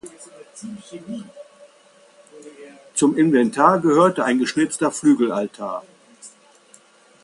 Zum Inventar gehörte ein geschnitzter Flügelaltar.